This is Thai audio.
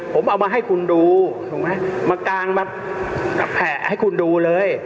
ผมเอามาให้คุณดูถูกไหมมากางมากับแผะให้คุณดูเลย